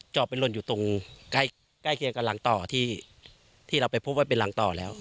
จอบไปหล่นอยู่ตรงใกล้เคียงกับหลังต่อที่เราไปพบว่าเป็นหลังต่อแล้ว